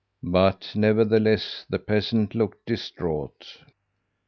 "But, nevertheless, the peasant looked distraught.